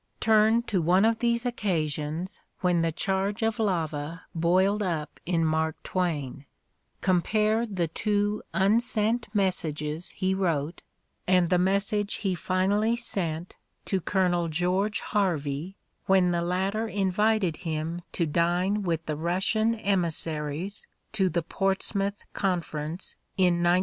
Turn to one of these occasions when the charge of lava boiled up in Mark Twain ; compare the two unsent messages he wrote and the message he finally sent to Colonel George Harvey when the latter invited him to 238 The Ordeal of Mark Twain dine with the Russian emissaries to the Portsmouth Con ference in 1905.